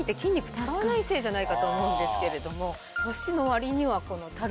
せいじゃないかと思うんですけれども。